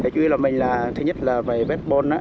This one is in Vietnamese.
chủ yếu là mình là thứ nhất là về vết bôn